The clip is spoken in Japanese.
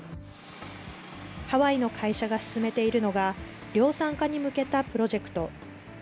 ハワイの会社が進めているのが、量産化に向けたプロジェクト。